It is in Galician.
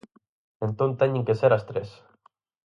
Entón teñen que ser as tres.